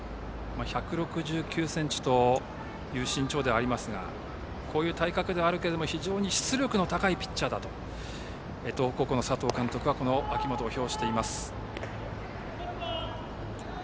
１６９ｃｍという身長ですがこういう体格ではあるけれども質力の高いピッチャーだと東北高校の佐藤監督は秋本を評しています。